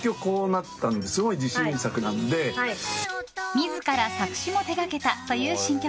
自ら作詞も手掛けたという新曲。